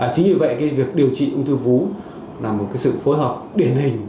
chính như vậy việc điều trị ung thư vú là một sự phối hợp điển hình